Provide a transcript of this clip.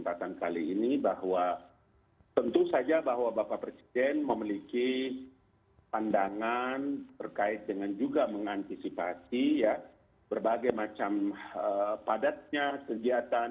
pada kesempatan kali ini bahwa tentu saja bahwa bapak presiden memiliki pandangan terkait dengan juga mengantisipasi berbagai macam padatnya kegiatan